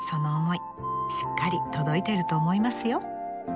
しっかり届いてると思いますよ。